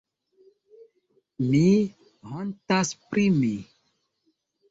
Mi hontas pri mi.